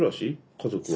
家族は。